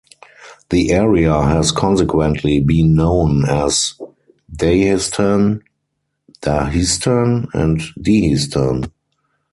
The area has consequently been known as Dahestan, Dahistan and Dihistan.